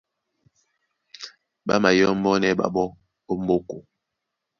Ɓá mayɔ́mbɔ́nɛ́ ɓaɓɔ́ ó m̀ɓóko.